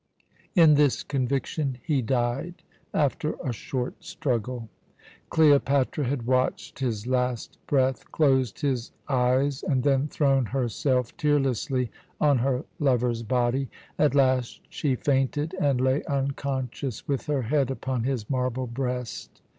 In this conviction he died after a short struggle. Cleopatra had watched his last breath, closed his eyes, and then thrown herself tearlessly on her lover's body. At last she fainted, and lay unconscious with her head upon his marble breast.